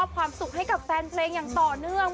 สุดยอดเลยคุณผู้ชมค่ะบอกเลยว่าเป็นการส่งของคุณผู้ชมค่ะ